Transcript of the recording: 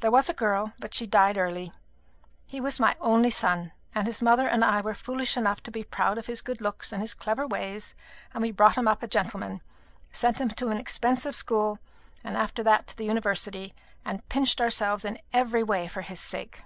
There was a girl, but she died early. He was my only son, and his mother and I were foolish enough to be proud of his good looks and his clever ways; and we brought him up a gentleman, sent him to an expensive school, and after that to the University, and pinched ourselves in every way for his sake.